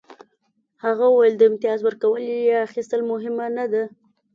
هغه وویل د امتیاز ورکول یا اخیستل مهمه نه ده